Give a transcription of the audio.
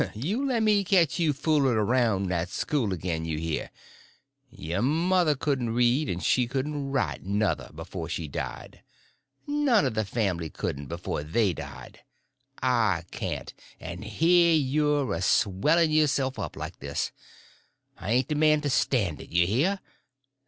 You lemme catch you fooling around that school again, you hear? Your mother couldn't read, and she couldn't write, nuther, before she died. None of the family couldn't before they died. I can't; and here you're a swelling yourself up like this. I ain't the man to stand it—you hear?